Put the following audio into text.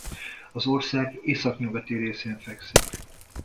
Az ország északnyugati részén fekszik.